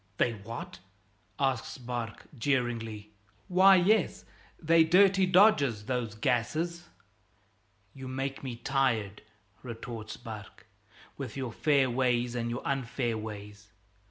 "They're what?" asks Barque jeeringly. "Why, yes, they're dirty dodges, those gases " "You make me tired," retorts Barque, "with your fair ways and your unfair ways.